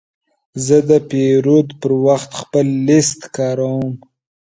زه د پیرود پر وخت خپل لیست کاروم.